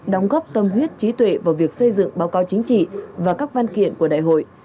đóng góp tâm huyết trí tuệ vào việc xây dựng báo cáo chính trị và các văn kiện của đại hội